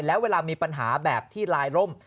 แล้วเวลามีปัญหาแบบที่ลายร่ม